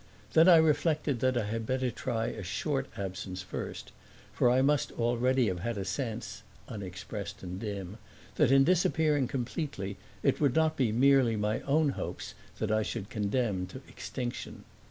Then I reflected that I had better try a short absence first, for I must already have had a sense (unexpressed and dim) that in disappearing completely it would not be merely my own hopes that I should condemn to extinction.